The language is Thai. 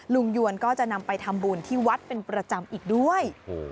ยวนก็จะนำไปทำบุญที่วัดเป็นประจำอีกด้วย